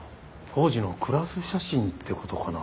当時のクラス写真って事かな？